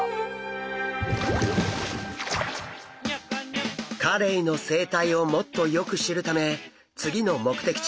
カレイの生態をもっとよく知るため次の目的地水族館へ。